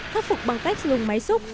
khắc phục bằng cách dùng máy xúc